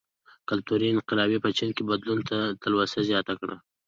کلتوري انقلاب په چین کې بدلون ته تلوسه زیاته کړه.